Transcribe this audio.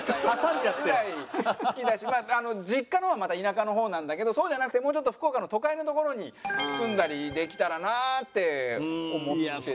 っていうぐらい好きだし実家の方はまた田舎の方なんだけどそうじゃなくてもうちょっと福岡の都会の所に住んだりできたらなって思って。